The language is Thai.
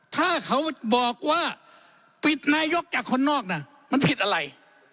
ถ้าเขาบอกว่าปิดนายกจากคนนอกน่ะมันผิดอะไร